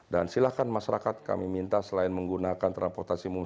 silahkan masyarakat kami minta selain menggunakan transportasi umum